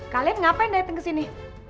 kalian ngapain datang ke sini